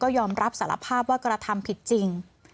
ยอมรับสารภาพว่ากระทำผิดจริง